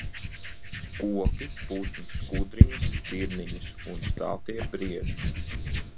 Koki, putni, skudriņas, stirniņas un staltie brieži.